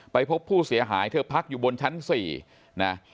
พบผู้เสียหายเธอพักอยู่บนชั้น๔นะ